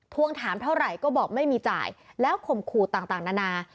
ทวงถามเท่าไหร่ก็บอกไม่มีจ่ายแล้วข่มขู่ต่างนานา